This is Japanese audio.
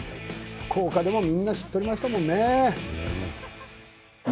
福岡でもみんな知っとりましたもんね